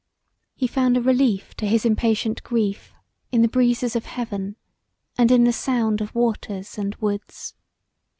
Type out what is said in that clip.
He found a relief to his impatient grief in the breezes of heaven and in the sound of waters and woods.